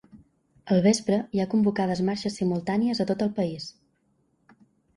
Al vespre, hi ha convocades marxes simultànies a tot el país.